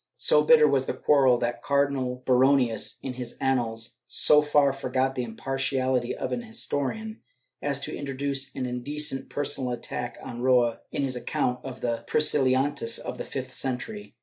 So bitter was the quarrel that Cardinal Baronius, in his Annals, so far forgot the impartiality of an historian as to introduce an indecent personal attack on Roa in his account of the Priscil lianists of the fifth century.